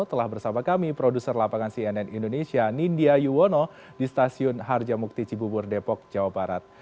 telah bersama kami produser lapangan cnn indonesia nindya yuwono di stasiun harjamukti cibubur depok jawa barat